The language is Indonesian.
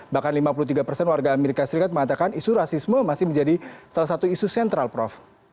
bahkan lima puluh tiga persen warga amerika serikat mengatakan isu rasisme masih menjadi salah satu isu sentral prof